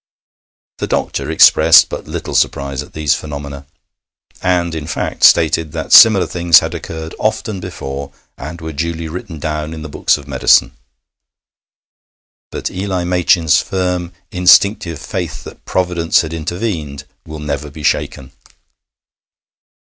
The doctor expressed but little surprise at these phenomena, and, in fact, stated that similar things had occurred often before, and were duly written down in the books of medicine. But Eli Machin's firm, instinctive faith that Providence had intervened will never be shaken.